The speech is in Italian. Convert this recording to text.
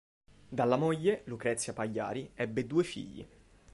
Dalla moglie, Lucrezia Pagliari, ebbe due figli.